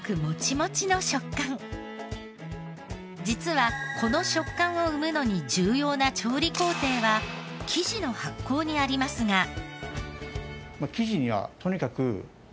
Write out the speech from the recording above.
実はこの食感を生むのに重要な調理工程は生地の発酵にありますが。